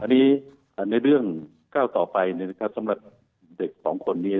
อันนี้ในเรื่องก้าวต่อไปสำหรับเด็กสองคนนี้